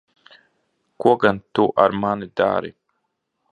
Ko gan tu ar mani dari?